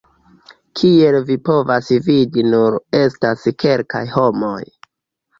Kiel vi povas vidi nur estas kelkaj homoj